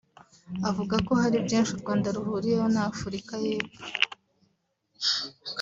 avuga ko hari byinshi u Rwanda ruhuriyeho na Afurika y’Epfo